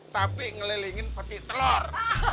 tapi ngelilingin peti telur